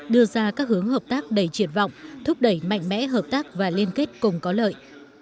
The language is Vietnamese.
đưa ra các hướng hợp tác đầy triệt vọng thúc đẩy mạnh mẽ hợp tác và liên kết cùng có lợi